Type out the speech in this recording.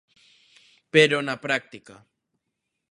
Pero na práctica...